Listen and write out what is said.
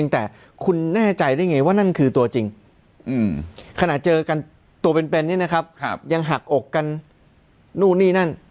แต่คุณแน่ใจได้ไงว่านั่นคือตัวจริงขณะเจอกันตัวเป็นนี่นะครับยังหักอกกันนู่นนี่นั่น